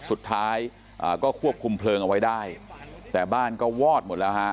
สุดท้ายก็ควบคุมเพลิงเอาไว้ได้แต่บ้านก็วอดหมดแล้วฮะ